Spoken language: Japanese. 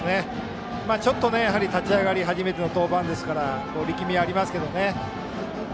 ちょっと、立ち上がり初めての登板ですから力みがありますけどね。